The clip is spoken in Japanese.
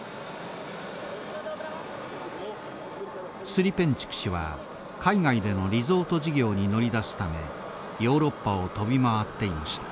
スリペンチュク氏は海外でのリゾート事業に乗り出すためヨーロッパを飛び回っていました。